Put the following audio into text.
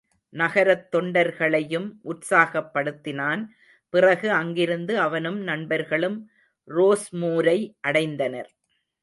நகரத் தொண்டர்களையும் உற்சாகப்படுத்தினான் பிறகு அங்கிருந்து அவனும் நண்பர்களும் ரோஸ்மூரை அடைந்தனர்.